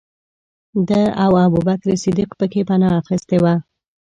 ده او ابوبکر صدیق پکې پنا اخستې وه.